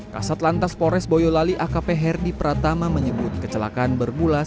kasat lantas pores boyolali akp herdi pratama menyebut kecelakaan bergulat